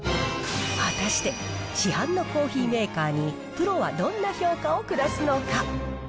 果たして、市販のコーヒーメーカーにプロはどんな評価を下すのか。